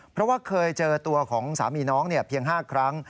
เพราะว่าเคยเจอตัวของสามีน้องเพียง๕ครั้ง